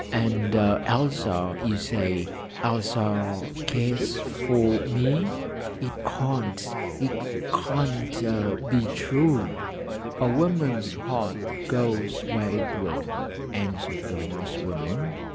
And Elsa, you say, Elsa cares for me? It can't it can't be true.' 'A woman's heart goes where it will,' answered the Moss woman.